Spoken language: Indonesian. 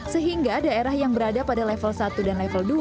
sehingga daerah yang berada pada level satu dan level dua